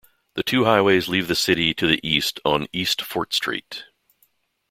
The two highways leave the city to the east on East Fort Street.